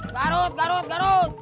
garut garut garut